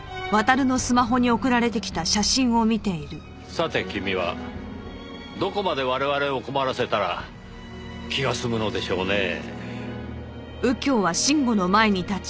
さて君はどこまで我々を困らせたら気が済むのでしょうねぇ。